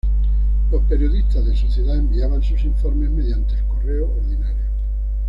Los periodistas de sociedad enviaban sus informes mediante el correo ordinario.